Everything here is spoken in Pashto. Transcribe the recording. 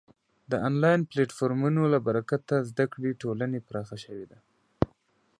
د آنلاین پلتفورمونو له برکته د زده کړې ټولنې پراخه شوې ده.